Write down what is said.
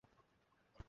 সবগুলো লিখে রাখছি।